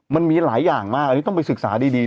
มันมีหลายอย่างมากอันนี้ต้องไปศึกษาดี